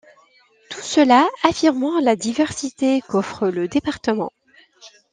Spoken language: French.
Tout cela affirmant la diversité qu'offre le département.